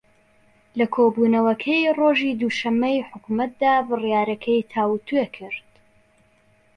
لە کۆبوونەوەکەی ڕۆژی دووشەممەی حکوومەتدا بڕیارەکەی تاووتوێ کرد